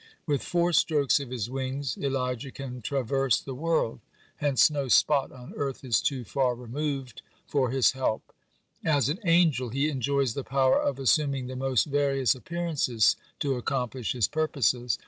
With four strokes of his wings Elijah can traverse the world. (46) Hence no spot on earth is too far removed for his help. As an angel (47) he enjoys the power of assuming the most various appearances to accomplish his purposes.